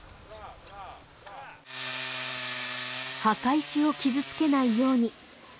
墓石を傷つけないように。